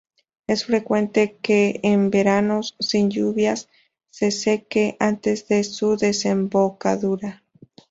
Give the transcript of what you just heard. Es frecuente que en veranos sin lluvias se seque antes de su desembocadura.